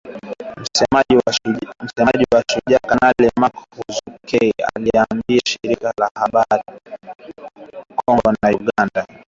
Msemaji wa Shujaa Kanali Mak Hazukay aliliambia shirika la habari kuwa majeshi ya Kongo na Uganda